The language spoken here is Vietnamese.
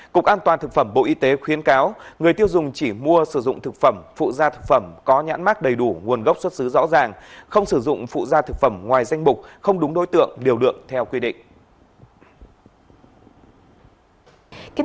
cục an toàn thực phẩm bộ y tế khuyến cáo người tiêu dùng chỉ mua sử dụng thực phẩm phụ gia thực phẩm có nhãn mát đầy đủ nguồn gốc xuất xứ rõ ràng không sử dụng phụ gia thực phẩm ngoài danh mục không đúng đối tượng điều đựng theo quy định